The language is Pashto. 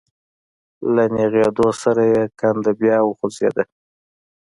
له نېغېدو سره يې کنده بيا وخوځېده.